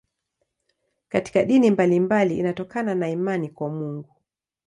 Katika dini mbalimbali inatokana na imani kwa Mungu.